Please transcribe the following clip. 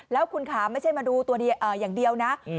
แล้วคุณขาไม่ใช่มาดูตัวอย่างเดียวนะ